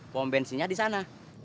pom bensinnya di sana